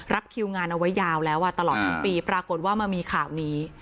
คิวงานเอาไว้ยาวแล้วตลอดทั้งปีปรากฏว่ามันมีข่าวนี้